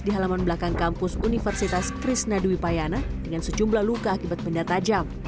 di halaman belakang kampus universitas kristina dipayetan dengan sejumlah luka akibat benda tajam